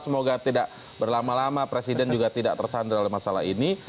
semoga tidak berlama lama presiden juga tidak tersandra oleh masalah ini